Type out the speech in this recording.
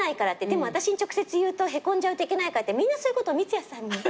でも私に直接言うとへこんじゃうといけないからってみんなそういうことを三ツ矢さんに。